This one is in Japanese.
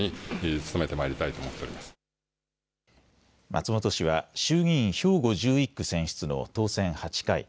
松本氏は衆議院兵庫１１区選出の当選８回。